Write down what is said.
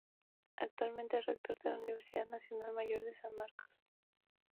Actualmente es el Rector de la Universidad Nacional Mayor de San Marcos.